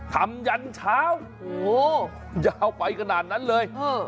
ทำยันเช้ายาวไปขนาดนั้นเลย